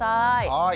はい。